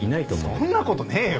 そんなことねえよ。